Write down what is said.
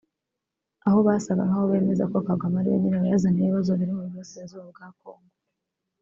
Aho basaga nk’aho bemeza ko Kagame ariwe nyirabayazana w’ibibazo biri mu burasirazuba bwa Congo